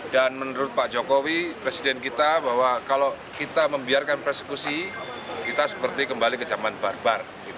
dan menurut pak jokowi presiden kita bahwa kalau kita membiarkan persekusi kita seperti kembali ke zaman barbar